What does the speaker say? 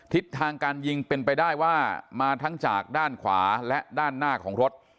ทิศทางการยิงเป็นไปได้ว่ามาทั้งจากด้านขวาและด้านหน้าของรถ